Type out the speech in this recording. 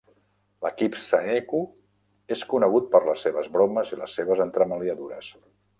L"equip Saeco és conegut per les seves bromes i les seves entremaliadures.